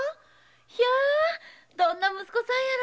いやどんな息子さんやろ。